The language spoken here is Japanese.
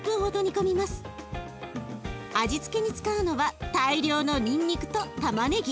味付けに使うのは大量のにんにくとたまねぎ。